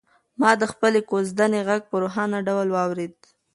ما د خپلې کوژدنې غږ په روښانه ډول واورېد.